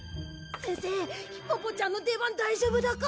せんせヒポポちゃんの出番だいじょうぶだか？